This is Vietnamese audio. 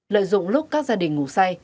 lợi dụng lúc các gia đình ngủ say